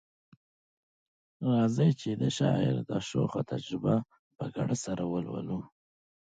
راځئ چي د شاعر دا شوخه تجربه په ګډه سره ولولو